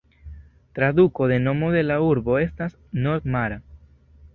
Traduko de nomo de la urbo estas "nord-mara".